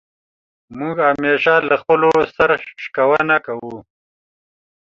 موږ همېشه له خپلو سر شکونه کوو.